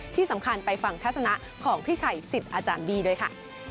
ที่สำคัญไปฟังทัศนะของพี่ชัยสิทธิ์อาจารย์บี้ด้วยค่ะ